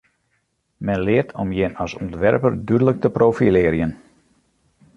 Men leart om jin as ûntwerper dúdlik te profilearjen.